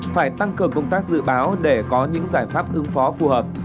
phải tăng cường công tác dự báo để có những giải pháp ứng phó phù hợp